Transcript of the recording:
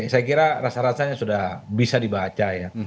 saya kira rasa rasanya sudah bisa dibaca ya